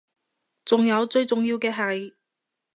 仲有最重要嘅係